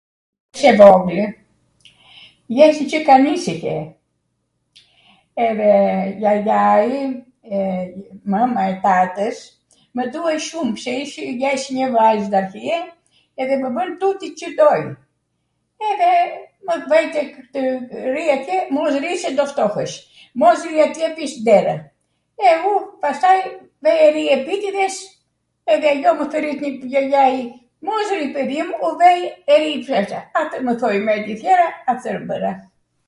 Cw e vogwlw, jesh njwCik anisihje, edhe jajai im, mwma e tatws, mw duaj shum, pse ish jesh njw vajz atje edhe mw bwn tuti Cw doj edhe mw vwnte tw rij atje, mos ri se do ftohesh, mos ri atje bisht dere, e u pastaj vej e ri epitidhes edhe ajo mw thrit jajai mos ri pedhi mu, u vejw e i flaCa, atw mw thoj mej tw tjera, atw bwra.